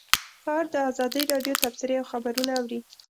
سهار د ازادۍ راډیو تبصرې او خبرونه اوري.